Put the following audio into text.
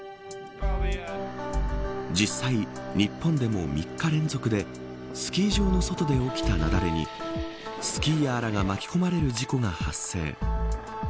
実際、日本でも３日連続でスキー場の外で起きた雪崩にスキーヤーらが巻き込まれる事故が発生。